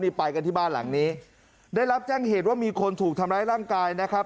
นี่ไปกันที่บ้านหลังนี้ได้รับแจ้งเหตุว่ามีคนถูกทำร้ายร่างกายนะครับ